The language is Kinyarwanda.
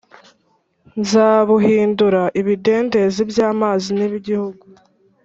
Nzabuhindura ibidendezi by amazi n igihugu